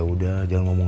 udah nyibuk selin